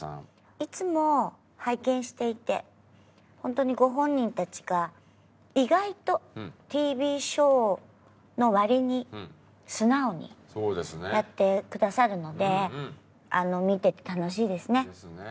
いつも拝見していて本当にご本人たちが意外とＴＶショーの割に素直にやってくださるので見てて楽しいですね。ですね。